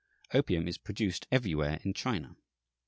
Opium is produced everywhere in China.